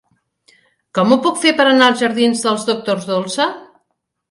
Com ho puc fer per anar als jardins dels Doctors Dolsa?